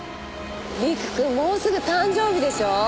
陸くんもうすぐ誕生日でしょう？